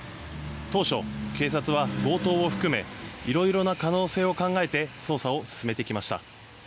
当初、警察は強盗を含めいろいろな可能性を考えて捜査を進めてきました。